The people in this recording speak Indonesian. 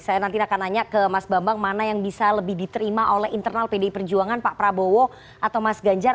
saya nanti akan nanya ke mas bambang mana yang bisa lebih diterima oleh internal pdi perjuangan pak prabowo atau mas ganjar